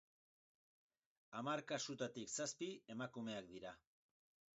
Hamar kasutatik zazpi emakumeak dira.